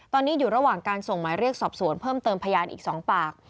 ตอนนี้อยู่ระหว่างการส่งหมายเรียกสอบสวนเพิ่มเติมพยานอีก๒ปาก